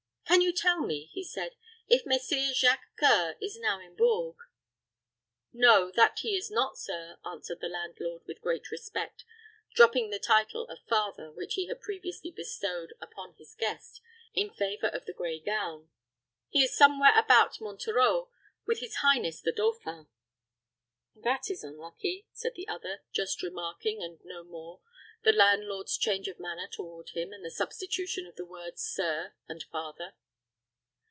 "Can you tell me," he said, "if Messire Jacques C[oe]ur is now in Bourges?" "No, that he is not, sir," answered the landlord, with great respect, dropping the title of father, which he had previously bestowed upon his guest, in favor of the gray gown; "he is away somewhere about Monterreau with his highness the dauphin." "That is unlucky," said the other, just remarking, and no more, the landlord's change of manner toward him, and the substitution of the words sir and father.